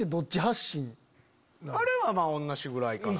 あれは同じぐらいかな。